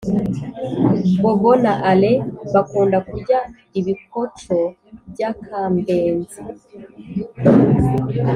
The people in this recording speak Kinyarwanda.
bobo na ale bakunda kurya ibikoco by’ akambenzi